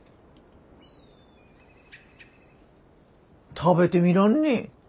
食べてみらんね？